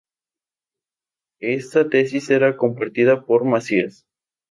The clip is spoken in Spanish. Esta tesis era compartida por Macías.